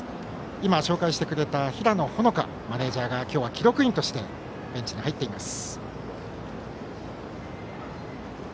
今、紹介してくれた平野帆香マネージャーが今日は記録員としてベンチに入っています。